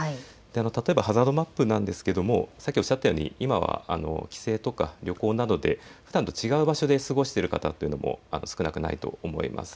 例えばハザードマップですがさっきおっしゃったように今は帰省とか旅行などでふだんと違う場所で過ごしている方というのも少なくないと思います。